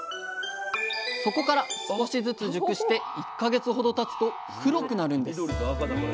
そこから少しずつ熟して１か月ほどたつと黒くなるんです。